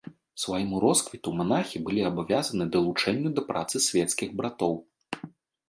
Свайму росквіту манахі былі абавязаны далучэнню да працы свецкіх братоў.